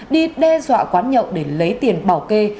đi đe dọa quán nhậu để lấy tiền bảo kê